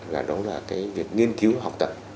là đó là cái việc nghiên cứu học tập